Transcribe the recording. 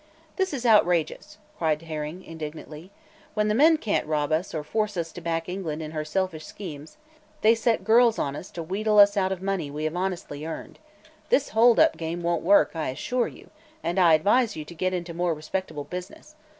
"This is outrageous!" cried Herring indignantly. "When the men can't rob us, or force us to back England in her selfish schemes, they set girls on us to wheedle us out of money we have honestly earned. This hold up game won't work, I assure you, and I advise you to get into more respectable business.